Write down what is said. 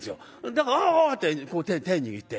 だから「ああああ」ってこう手握って。